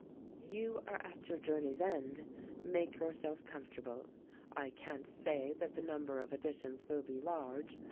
"You are at your journey's end ; make yourself comfort able; I can't say that the number of additions will be large.